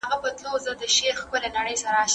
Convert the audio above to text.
هغه وويل چي کالي وچول مهم دي!